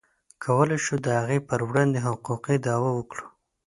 کولی شو د هغې پر وړاندې حقوقي دعوه وکړو.